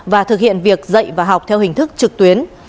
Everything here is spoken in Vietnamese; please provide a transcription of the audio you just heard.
và thực hiện việc dạy và học theo hình thức trực tuyến